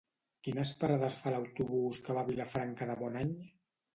Quines parades fa l'autobús que va a Vilafranca de Bonany?